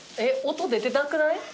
音出てなくない？